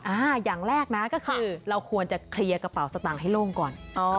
อย่างแรกนะก็คือเราควรจะเคลียร์กระเป๋าสตางค์ให้โล่งก่อน